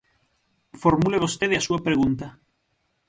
Formule vostede a súa pregunta.